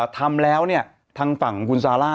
ทำแล้วเนี่ยทางฝั่งของคุณซาร่า